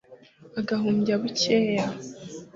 Agahumbya bukeya.